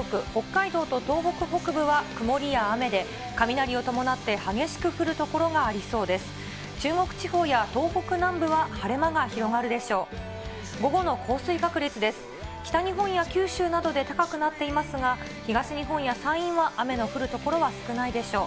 北日本や九州などで高くなっていますが、東日本や山陰は雨の降る所は少ないでしょう。